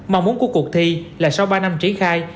mong muốn của cuộc thi là sau ba năm triển khai